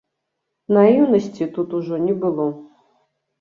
Наіўнасці тут ужо не было.